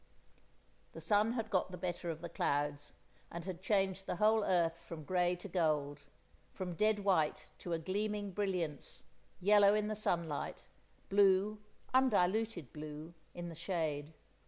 The sun had got the better of the clouds, and had changed the whole earth from grey to gold, from dead white to a gleaming brilliance, yellow in the sunlight, blue—undiluted blue—in the shade.